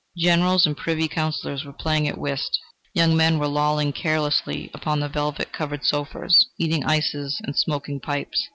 Generals and Privy Counsellors were playing at whist; young men were lolling carelessly upon the velvet covered sofas, eating ices and smoking pipes.